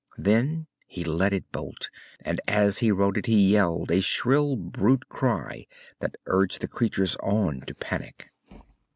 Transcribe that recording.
Then he let it bolt, and as he rode it he yelled, a shrill brute cry that urged the creatures on to panic.